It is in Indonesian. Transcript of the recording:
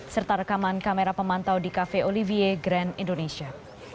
serta rekaman kamera pemantau di cafe olivier grand indonesia